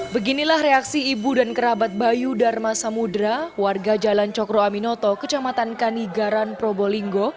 beginilah reaksi ibu dan kerabat bayu dharma samudera warga jalan cokro aminoto kecamatan kanigaran probolinggo